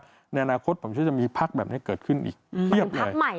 เพราะว่าในประโยชน์ผมเชื่อจะมีภาคแบบนี้เกิดขึ้นอีกเทียบเลย